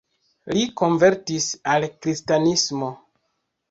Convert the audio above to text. Li konvertis al kristanismo.